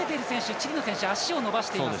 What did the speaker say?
チリの選手、足を伸ばしています。